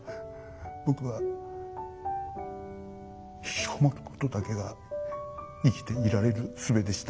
僕はひきこもることだけが生きていられるすべでした。